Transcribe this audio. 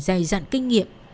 dài dặn kinh nghiệm